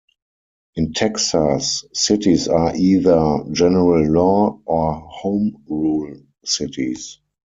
In Texas, cities are either "general law" or "home rule" cities.